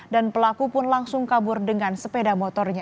dan pelaku pun langsung kabur dengan sepeda motornya